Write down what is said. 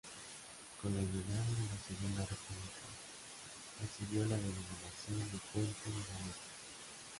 Con la llegada de la Segunda República, recibió la denominación de Puente de Galicia.